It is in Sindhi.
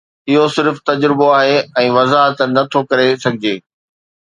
اهو صرف تجربو آهي ۽ وضاحت نه ٿو ڪري سگهجي